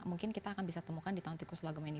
mungkin kita akan bisa temukan di tahun tikus logam ini